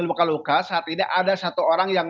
luka luka saat ini ada satu orang yang